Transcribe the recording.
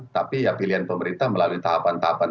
tapi ya pilihan pemerintah melalui tahapan tahapan